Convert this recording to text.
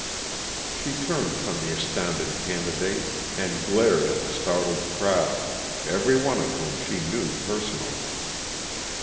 She turned from the astounded candidate and glared at the startled crowd, every one of whom she knew personally.